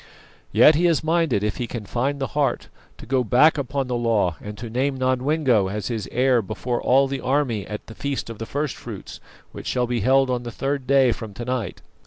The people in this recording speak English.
Yet he is minded, if he can find the heart, to go back upon the law and to name Nodwengo as his heir before all the army at the feast of the first fruits, which shall be held on the third day from to night.